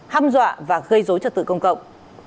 hăm dọa và gây dối trật tự công cộng